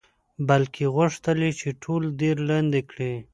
بلکې غوښتل یې چې ټول دیر لاندې کړي.